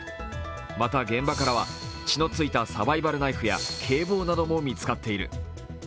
また、現場からは血の付いたサバイバルナイフや警棒なども見つかっている。